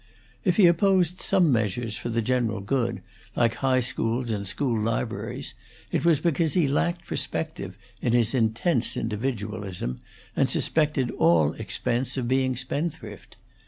If he opposed some measures for the general good, like high schools and school libraries, it was because he lacked perspective, in his intense individualism, and suspected all expense of being spendthrift.